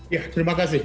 ya terima kasih